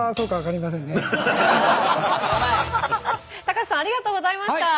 高瀬さんありがとうございました。